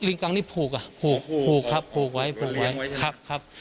อ๋อลิงกังนี่ผูกอะผูกครับผูกไว้ผูกไว้ครับ